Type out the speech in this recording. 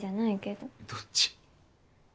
どっち？